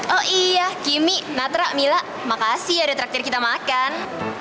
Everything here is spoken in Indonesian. oh iya kimmy natra mila makasih ya udah terakhir kita makan